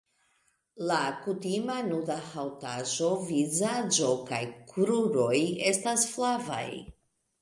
La kutima nuda haŭtaĵo vizaĝo kaj kruroj estas flavaj.